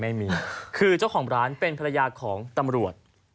ไม่มีคือเจ้าของร้านเป็นภรรยาของตำรวจ